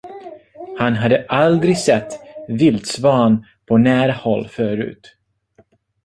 Han hade aldrig sett vildsvan på nära håll förut.